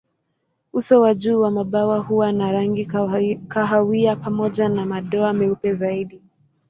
Uso wa juu wa mabawa huwa na rangi kahawia pamoja na madoa meupe zaidi.